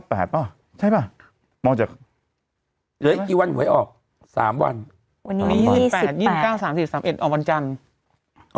๘ป่ะใช่ป่ะมองจากไอ้กี่วันหวยออก๓วันวันนี้๒๘๒๙๓๐๓๑อ่อนวันจันทร์